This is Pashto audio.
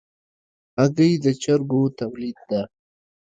هګۍ د چرګو تولید ده.